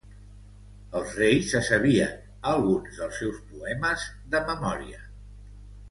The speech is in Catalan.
Els reis se sabien alguns dels seus poemes de memòria.